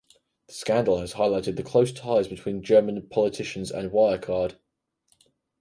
The scandal has highlighted the close ties between German politicians and Wirecard.